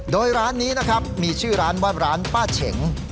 โดยร้านนี้นะครับมีชื่อร้านว่าร้านป้าเฉง